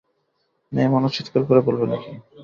মেয়েমানুষ চিৎকার করে বলবে নাকি?